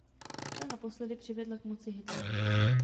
Ta naposledy přivedla k moci Hitlera.